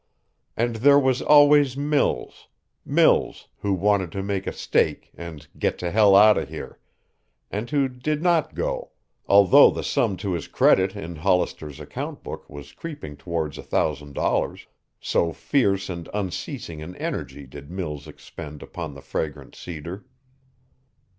And there was always Mills, Mills who wanted to make a stake and "get to hell out of here", and who did not go, although the sum to his credit in Hollister's account book was creeping towards a thousand dollars, so fierce and unceasing an energy did Mills expend upon the fragrant cedar.